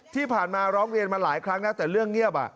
ที่ผ่านมาร้องเรียนมาหลายครั้งแล้วแต่เรื่องเงียบ